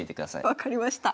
分かりました。